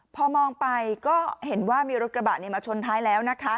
พอมองไปก็เห็นว่ามีรถกระบะมาชนท้ายแล้วนะคะ